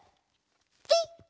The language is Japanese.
ピッ！